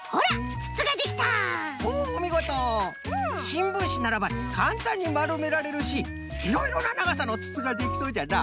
しんぶんしならばかんたんにまるめられるしいろいろなながさのつつができそうじゃな。